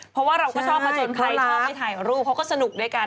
เพราะว่าเราก็ชอบผจญใครชอบไปถ่ายรูปเขาก็สนุกด้วยกัน